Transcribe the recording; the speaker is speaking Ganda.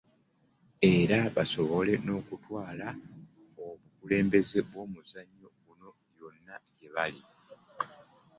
Era basobole n'okutwala obukulembeze bw'omuzannyo guno yonna gye bali.